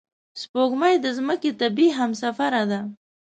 سپوږمۍ د ځمکې طبیعي همسفره ده